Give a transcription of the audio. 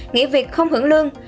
nghĩ việc không hưởng lương